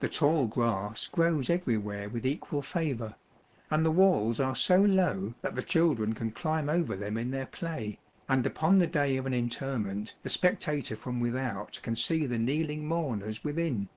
The tall grass grows every where with equal favor, and the walls are so low that the children can climb over them in their play, and upon the day of an interment the spec tator from without can see the kneeling mourners within.